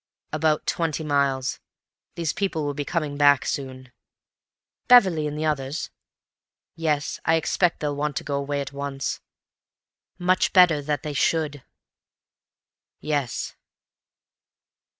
"About twenty miles. These people will be coming back soon." "Beverley, and the others?" "Yes. I expect they'll want to go away at once." "Much better that they should." "Yes."